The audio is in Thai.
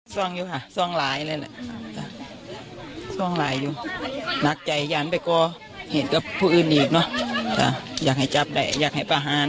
อยู่ค่ะซ่องหลายเลยแหละซ่องหลายอยู่หนักใจอย่าไปก่อเหตุกับผู้อื่นอีกเนอะอยากให้จับได้อยากให้ประหาร